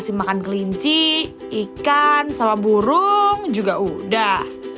dikasih makan kelinci ikan sama burung juga udah